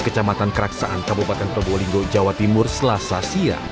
kecamatan keraksaan kabupaten probolinggo jawa timur selasa siang